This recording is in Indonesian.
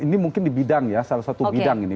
ini mungkin di bidang ya salah satu bidang ini